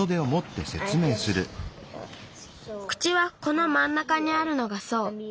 口はこのまんなかにあるのがそう。